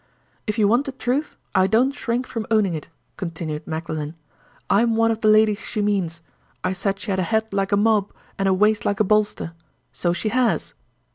"If you want the truth, I don't shrink from owning it," continued Magdalen. "I'm one of the ladies she means. I said she had a head like a mop, and a waist like a bolster. So she has."